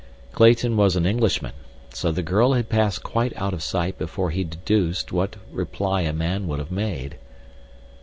Clayton was an Englishman, so the girl had passed quite out of sight before he deduced what reply a man would have made.